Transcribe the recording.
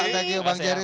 terima kasih bang jerry